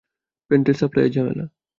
প্যান্টের সাপ্লাইয়ে ঝামেলা!